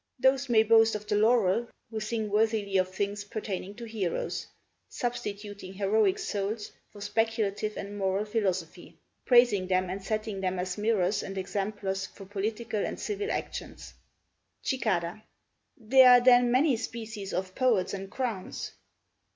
Those may boast of the laurel who sing worthily of things pertaining to heroes, substituting heroic souls for speculative and moral philosophy, praising them and setting them as mirrors and exemplars for political and civil actions. Cicada There are then many species of poets and crowns?